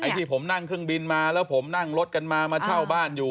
ที่ผมนั่งเครื่องบินมาแล้วผมนั่งรถกันมามาเช่าบ้านอยู่